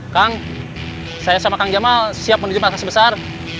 kang saya sama kang jamal siap menuju masyarakat sebesar